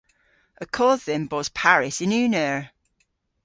Y kodh dhymm bos parys yn unn eur.